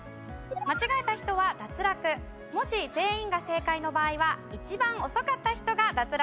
間違えた人は脱落もし全員が正解の場合は一番遅かった人が脱落となります。